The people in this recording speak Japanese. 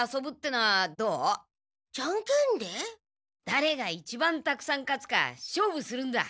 だれがいちばんたくさん勝つか勝負するんだ。